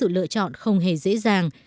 lựa chọn không hề dễ dàng